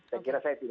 saya kira saya tidak